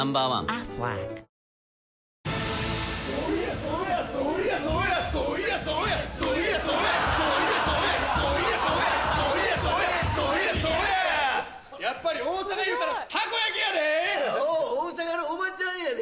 アホ大阪のおばちゃんやで！